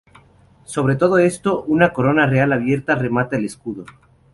Sobre todo esto, una corona real abierta remata el escudo.